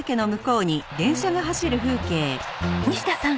西田さん。